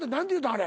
あれ。